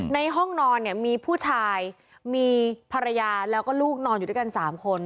ในห้องนอนเนี่ยมีผู้ชายมีภรรยาแล้วก็ลูกนอนอยู่ด้วยกัน๓คน